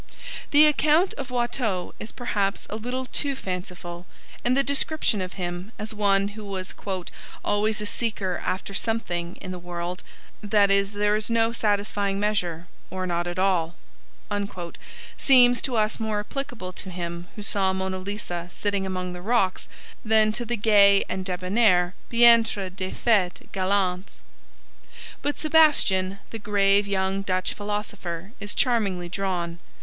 The account of Watteau is perhaps a little too fanciful, and the description of him as one who was 'always a seeker after something in the world, that is there in no satisfying measure, or not at all,' seems to us more applicable to him who saw Mona Lisa sitting among the rocks than to the gay and debonair peintre des fetes galantes. But Sebastian, the grave young Dutch philosopher, is charmingly drawn.